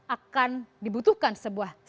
akan dibutuhkan sebuah daya belanja